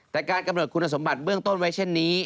แต่การกำหนดคุณสมบัติเบื้องต้นไว้เช่นนี้